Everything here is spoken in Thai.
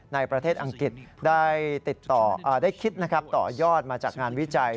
ในประเทศอังกฤษได้คิดต่อยอดมาจากงานวิจัย